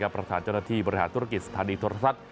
ประธานเจ้าหน้าที่บริหารธุรกิจศาลีทฤษฎาสัตว์